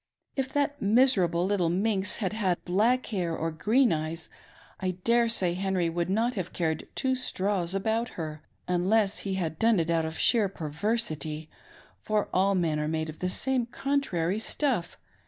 If that miserable little minx had had black hair or green eyes I daresay Henry would not have cared two straws about her, unless he had done it out of sheer perversity, for all men are made of the same contrary stuff.